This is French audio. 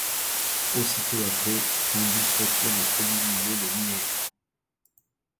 Aussitôt après, Findus retire les produits visés des linéaires.